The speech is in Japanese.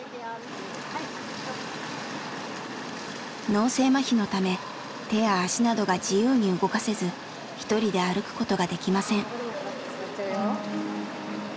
脳性まひのため手や足などが自由に動かせず一人で歩くことができません。